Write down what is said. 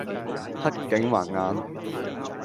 黑警還眼